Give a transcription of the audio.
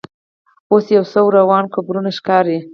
اوس یو څو وران قبرونه ښکاري.